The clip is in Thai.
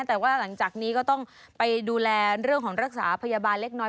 แต่ว่าหลังจากนี้ก็ต้องไปดูแลเรื่องของรักษาพยาบาลเล็กน้อย